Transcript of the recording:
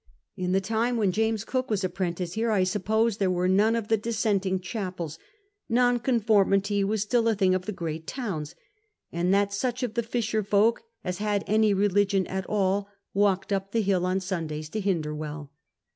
In the time when James Cook was apprentice here I suppose that there were none of the dissenting chapels — nonconformity was still a thing of the great towns — and that such of the fisher folk as had any religion at all walked up the hill on Sundays to Hinderwcll.